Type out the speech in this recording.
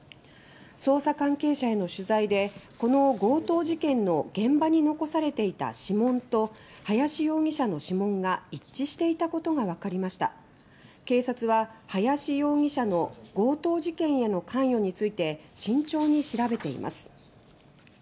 捜査関係者への取材でこの強盗事件の現場に残されていた指紋と林容疑者の指紋が一致していたことが分かりました警察は、林容疑者の強盗事件への関与について慎重に調べています。